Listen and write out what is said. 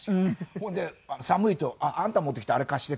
それで寒いと「あんた持ってきたあれ貸して」